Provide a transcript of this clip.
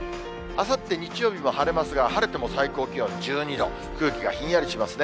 あさって日曜日も晴れますが、晴れても最高気温１２度、空気がひんやりしますね。